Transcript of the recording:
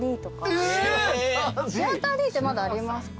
シアターＤってまだありますか？